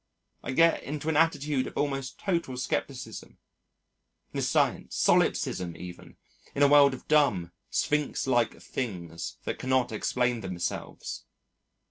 I get into an attitude of almost total scepticism, nescience, solipsism even, in a world of dumb, sphinx like things that cannot explain themselves.